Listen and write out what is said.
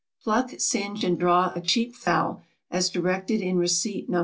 = Pluck, singe, and draw a cheap fowl, as directed in receipt No.